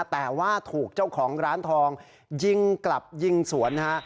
แต่ว่าถูกเจ้าของร้านทองยิงกลับยิงสวนนะฮะ